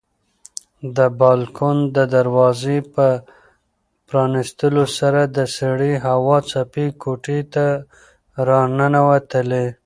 د بالکن د دروازې په پرانیستلو سره د سړې هوا څپې کوټې ته راننوتلې.